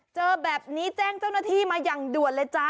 เจอแบบนี้แจ้งเจ้าหน้าที่มาอย่างด่วนเลยจ๊ะ